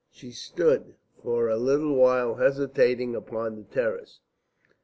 She stood for a little while hesitating upon the terrace.